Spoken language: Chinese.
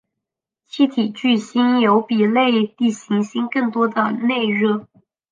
气体巨星有比类地行星更多的内热。